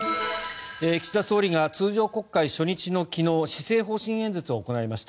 岸田総理が通常国会初日の昨日施政方針演説を行いました。